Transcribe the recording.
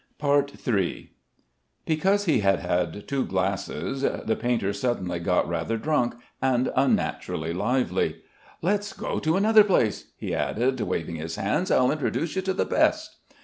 III Because he had had two glasses the painter suddenly got rather drunk, and unnaturally lively. "Let's go to another place," he added, waving his hands. "I'll introduce you to the best!"